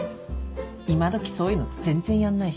今どきそういうの全然やんないし。